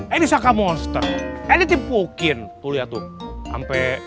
eh ini saka monster eh ini tipukin tuh lihat tuh sampai